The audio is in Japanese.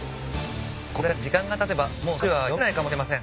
これだけ時間がたてばもう最終話は読めないかもしれません。